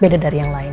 beda dari yang lain